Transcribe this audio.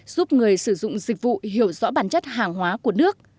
giúp người sử dụng dịch vụ hiểu rõ bản chất hàng hóa của nước